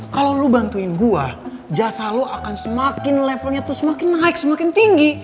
kalau lu bantuin gua jasa lu akan semakin levelnya tuh semakin naik semakin tinggi